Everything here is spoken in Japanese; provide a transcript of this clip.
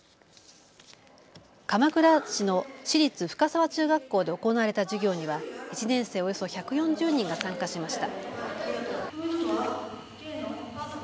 鎌倉市の市立深沢中学校で行われた授業には１年生およそ１４０人が参加しました。